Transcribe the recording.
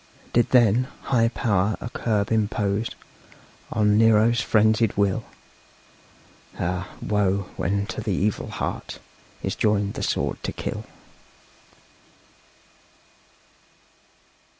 Did, then, high power a curb impose On Nero's phrenzied will? Ah, woe when to the evil heart Is joined the sword to kill!